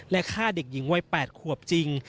และฆ่าเด็กหญิงวัย๘ขวบจริง